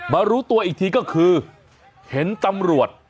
รู้ตัวอีกทีก็คือเห็นตำรวจ